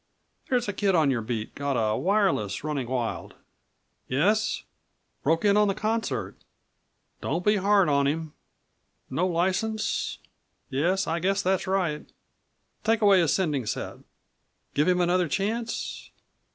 There's a kid on your beat got a wireless running wild. Yes. Broke in on the concert. Don't be hard on him. No license? Yes, guess that's right. Take away his sending set. Give him another chance?